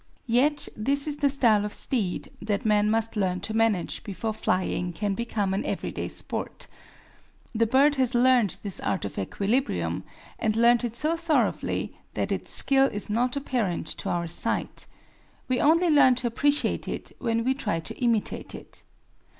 Yet this is the style of steed that men must learn to manage before flying can become an everyday sport. The bird has learned this art of equilibrium, and learned it so thoroughly that its skill is not apparent to our sight. We only learn to appreciate it when we try to imitate it.